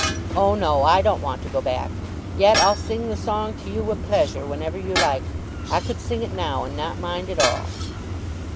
O no, I don't want to go back! Yet I'll sing the song to you wi' pleasure whenever you like. I could sing it now, and not mind at all?"